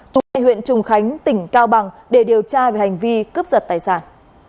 trú tại huyện trùng khánh tỉnh cao bằng để điều tra về hành vi cướp giật tài sản